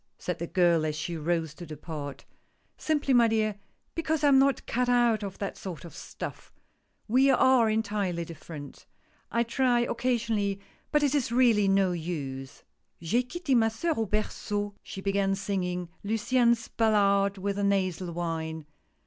said the girl as she rose to depart. " Simply, my dear, because I am not cut out of that sort of stuff — we are entirely different — I try occa sionally, but it is really no use." " J'ai quitte ma soeur au berceau," she began, singing Luciane's ballad with a nasal whine.